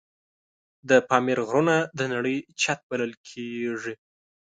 د پامیر غرونه د نړۍ چت بلل کېږي.